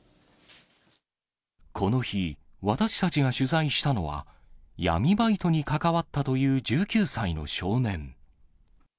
この日、私たちが取材したのは、闇バイトに関わったという１９歳の少年。